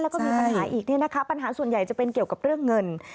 แล้วก็มีปัญหาอีกเนี่ยนะคะปัญหาส่วนใหญ่จะเป็นเกี่ยวกับเรื่องเงิน